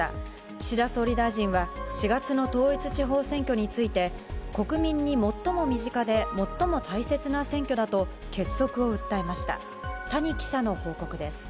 岸田総理大臣は、４月の統一地方選挙について、国民に最も身近で最も大切な選挙だと、結束を訴えました。